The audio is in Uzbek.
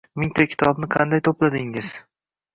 Mingta kitobni qanday to`pladingiz